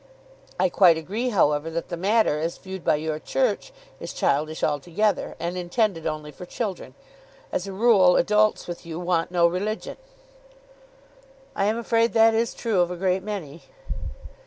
I quite agree, however, that the matter, as viewed by your Church, is childish altogether, and intended only for children. As a rule, adults with you want no religion." "I am afraid that is true of a great many."